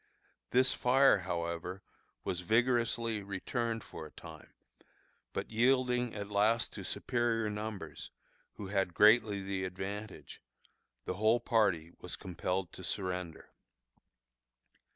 This fire, however, was vigorously returned for a time, but yielding at last to superior numbers, who had greatly the advantage, the whole party was compelled to surrender.